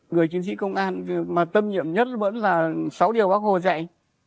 người chiến sĩ công an mà tâm nhiệm nhất vẫn là sáu điều bác hồ dạy